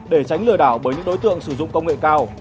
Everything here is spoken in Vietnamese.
để tránh lừa đảo bởi những đối tượng sử dụng công nghệ cao